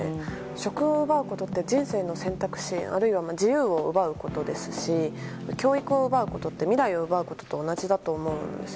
職を奪うことって人生の選択肢あるいは自由を奪うことですし教育を奪うことって未来を奪うことと同じだと思うんです。